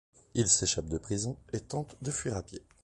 Il s'échappe de prison et tente de fuir à pied.